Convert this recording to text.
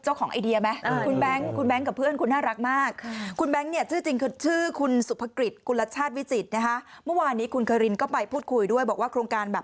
ผ่านมื้อนึงไปได้เลยนะถ้าเดินไปหยิบ